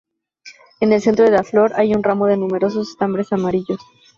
En el centro de la flor hay un ramo de numerosos estambres amarillos.